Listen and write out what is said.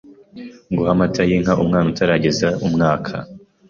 Guha amata y’inka umwana utarageza umwaka